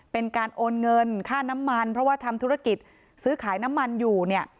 เป็นการโอนเงินค่าน้ำมันเพราะว่าทำธุรกิจซื้อขายน้ำมันอยู่เนี่ย